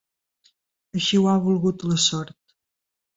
Així ho ha volgut la sort.